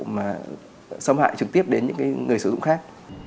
mà xâm hại trực tiếp đến những người sử dụng khác